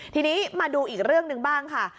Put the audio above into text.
ทีนี้มาดูอีกเรื่องหนึ่งบ้างค่ะ